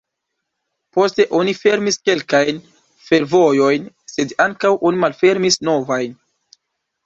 Poste oni fermis kelkajn fervojojn sed ankaŭ oni malfermis novajn.